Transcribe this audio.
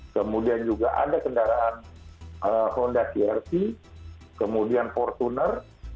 kemudian juga ada kendaraan honda cr v kemudian fortuner